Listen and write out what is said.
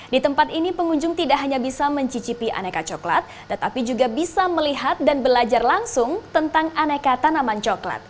di tempat ini pengunjung tidak hanya bisa mencicipi aneka coklat tetapi juga bisa melihat dan belajar langsung tentang aneka tanaman coklat